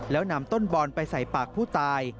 แล้วนำต้นบอลไปใส่ปากผู้ตาย